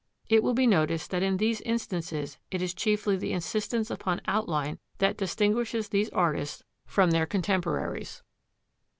It will be noticed that in these instances it is chiefly the insistence upon outline that distinguishes these artists from their contemporaries.